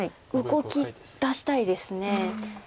動きだしたいです。